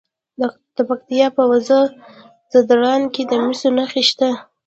د پکتیا په وزه ځدراڼ کې د مسو نښې شته.